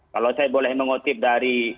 kalau saya boleh mengutip dari